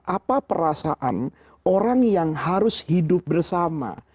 apa perasaan orang yang harus hidup bersama